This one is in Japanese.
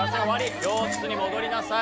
教室に戻りなさい